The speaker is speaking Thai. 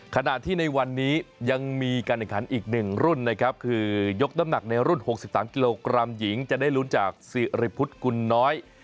ขณะที่ในวันนี้ยังมีการแข่งขันอีก๑รุ่นนะครับคือยกน้ำหนักในรุ่น๖๓กิโลกรัมหญิงจะได้ลุ้นจากสิริพุทธกุลน้อย